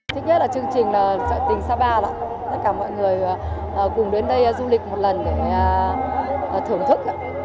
thích nhất là chương trình trợ tình sapa tất cả mọi người cùng đến đây du lịch một lần để thưởng thức